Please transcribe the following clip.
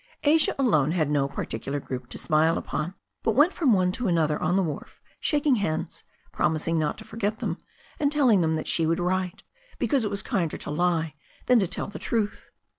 Asia alone had no particular group to smile upon, but went from one to another on the wharf, shaking hands, promising not to forget them, and telling them that she would write, because it was kinder to lie than to tell the truth.